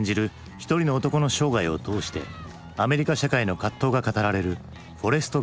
一人の男の生涯を通してアメリカ社会の葛藤が語られる「フォレスト・ガンプ」。